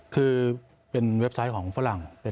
คือเป็นเว็บไซต์ของฝรั่ง